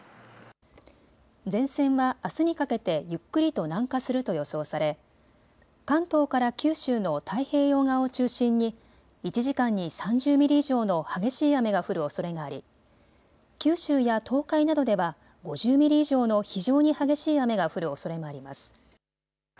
前線はあすにかけてゆっくりと南下すると予想され関東から九州の太平洋側を中心に１時間に３０ミリ以上の激しい雨が降るおそれがあり九州や東海などでは５０ミリ以上の非常に激しい雨が降るおそれもあります。